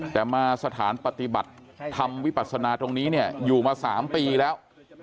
แต่มาสถานปฏิบัติธรรมวิบัติศนาทีนี่อยู่มา๓ปีแล้ว